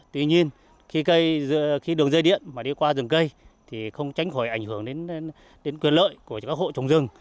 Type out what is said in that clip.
tuy nhiên khi đường dây điện mà đi qua rừng cây thì không tránh khỏi ảnh hưởng đến quyền lợi của các hộ trồng rừng